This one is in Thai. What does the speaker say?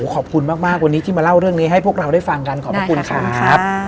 ขอบคุณมากวันนี้ที่มาเล่าเรื่องนี้ให้พวกเราได้ฟังกันขอบพระคุณครับ